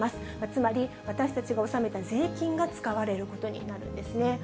つまり、私たちが納めた税金が使われるということになるんですね。